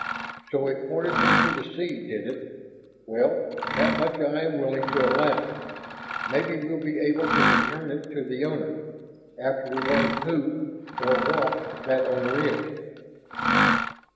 So it pointed me to the sea, did it? Well, that much I am willing to allow. Maybe we'll be able to return it to the owner, after we learn who or what that owner is."